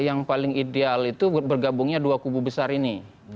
yang paling ideal itu bergabungnya dua kubu besar ini